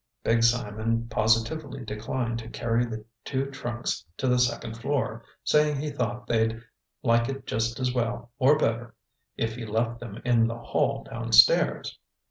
Big Simon positively declined to carry the two trunks to the second floor, saying he thought they'd like it just as well, or better, if he left them in the hall down stairs.